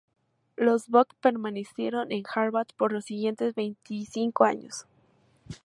Los Bok permanecieron en Harvard por los siguientes veinticinco años.